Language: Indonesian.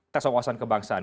tes wawasan kebangsaan